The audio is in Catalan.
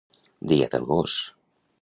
Dia del gos.